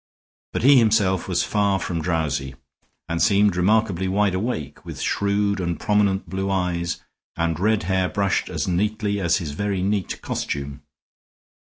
But he himself was far from drowsy and seemed remarkably wide awake, with shrewd and prominent blue eyes, and red hair brushed as neatly as his very neat costume.